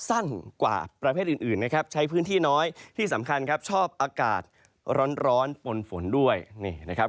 สั้นกว่าประเภทอื่นนะครับใช้พื้นที่น้อยที่สำคัญครับชอบอากาศร้อนปนฝนด้วยนี่นะครับ